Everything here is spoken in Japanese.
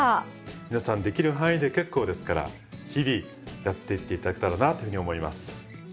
皆さんできる範囲で結構ですから日々やっていって頂けたらなぁというふうに思います。